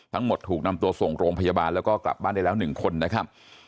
ถูกนำตัวส่งโรงพยาบาลแล้วก็กลับบ้านได้แล้ว๑คนนะครับ